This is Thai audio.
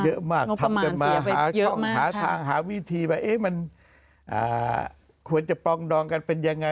เยอะมากทำกันมาหาวิธีมาเอ๊ะมันควรจะปรองดองกันเป็นยังไง